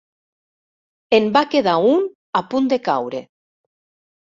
En va quedar un a punt de caure.